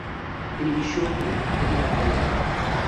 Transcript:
তিনি বিশ্বব্যাপী খ্যাতি লাভ করেন।